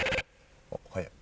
おっ早い。